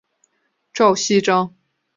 赵锡章。